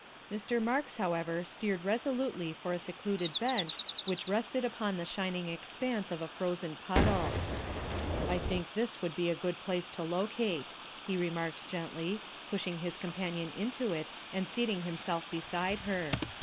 '' Mr. Marks, however, steered resolutely for a secluded bench which rested upon the shining expanse of a frozen puddle. " I think this would be a good place to locate," he remarked gently, pushing his companion into it and seating himself beside her.